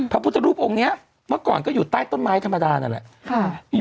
พระพุทธรูปองค์นี้เมื่อก่อนก็อยู่ใต้ต้นไม้ธรรมดานั่นแหละ